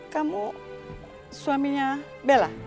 kamu suaminya bella